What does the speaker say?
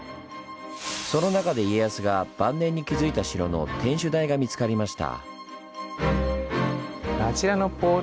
その中で家康が晩年に築いた城の天守台が見つかりました。